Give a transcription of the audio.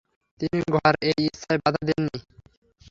তিনি ঘোড়ার এই ইচ্ছায় বাধা দেননি।